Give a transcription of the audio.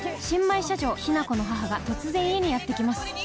新米社長、雛子の母が、突然、家にやって来ます。